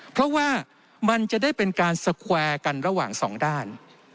เพราะว่ามันจะได้เป็นการสแควร์กันระหว่างสองด้าน